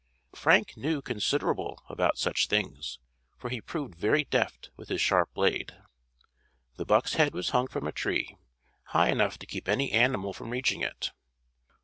Frank knew considerable about such things, for he proved very deft with his sharp blade. The buck's head was hung from a tree, high enough to keep any animal from reaching it.